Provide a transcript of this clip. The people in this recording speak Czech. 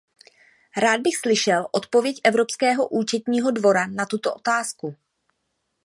Rád bych slyšel odpověď Evropského účetního dvora na tuto otázku.